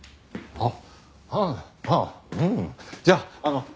あっ。